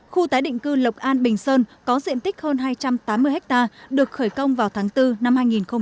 khu tái định cư lộc an bình sơn có diện tích hơn hai trăm tám mươi ha được khởi công vào tháng bốn năm hai nghìn một mươi chín